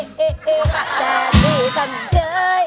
แต่สิสัมเจย